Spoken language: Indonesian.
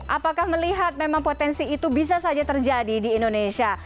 apakah melihat memang potensi itu bisa saja terjadi di indonesia